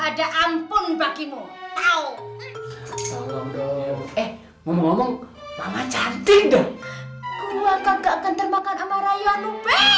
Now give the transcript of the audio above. ada ampun bagimu tahu eh ngomong ngomong cantik dong gua kagak keterbangan sama rayu